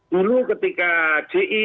dulu ketika gi